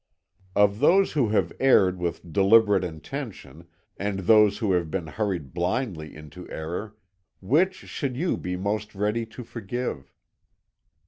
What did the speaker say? "Of those who have erred with deliberate intention and those who have been hurried blindly into error, which should you be most ready to forgive?"